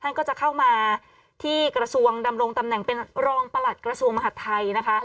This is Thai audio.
ก็จะเข้ามาที่กระทรวงดำรงตำแหน่งเป็นรองประหลัดกระทรวงมหาดไทยนะคะ